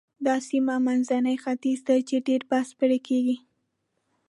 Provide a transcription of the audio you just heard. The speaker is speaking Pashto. دا سیمه منځنی ختیځ دی چې ډېر بحث پرې کېږي.